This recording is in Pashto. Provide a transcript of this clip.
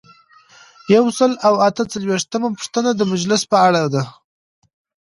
یو سل او اته څلویښتمه پوښتنه د مجلس په اړه ده.